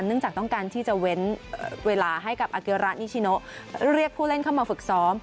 จากต้องการที่จะเว้นเวลาให้กับอาเกียระนิชิโนเรียกผู้เล่นเข้ามาฝึกซ้อม